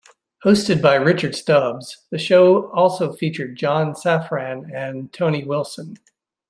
Hosted by Richard Stubbs, the show also featured John Safran and Tony Wilson.